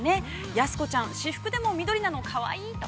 やす子ちゃん、私服でも緑なのかわいいと。